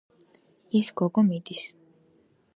ის გოგო მიდის.